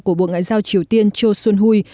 của bộ ngoại giao triều tiên cho soon hui